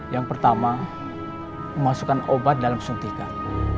yang pertama memasukkan obat dalam suntikan